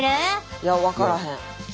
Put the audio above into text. いや分からへん。